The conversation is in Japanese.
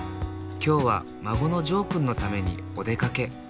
きょうは孫のジョーくんのためにお出かけ。